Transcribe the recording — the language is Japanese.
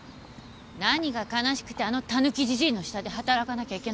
何が悲しくてあの狸ジジイの下で働かなきゃいけないの？